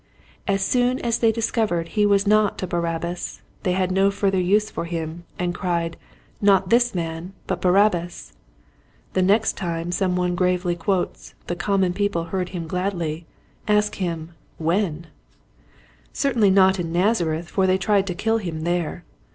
As soon as they discov ered he was not a Barabbas they had no further use for him, and cried, '' Not this man but Barabbas !" The next time some one gravely quotes, "the common people heard him gladly," ask him, when } Certainly not in Nazareth for they tried to kill him there.